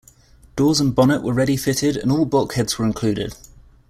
Doors and bonnet were ready-fitted and all bulkheads were included.